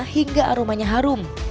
hingga aromanya harum